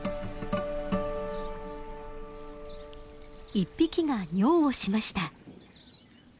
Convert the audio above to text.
１匹が尿をしました。